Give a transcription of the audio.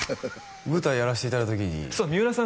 舞台やらせていただいたときにそう三浦さん